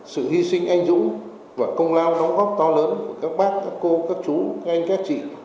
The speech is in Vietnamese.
sự hy sinh anh dũng và công lao đóng góp to lớn của các bác các cô các chú các anh các chị